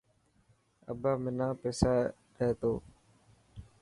ابا منا پيسا ڏي تو.